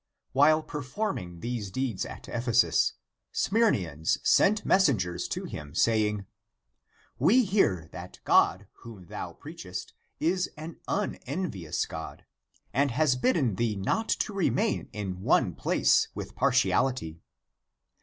While performing these deeds at Ephesus, Smyrnseans sent messengers to him, saying :" We hear that God whom thou preachest is an unenvious God, and has bidden thee not to remain in one place with partiality.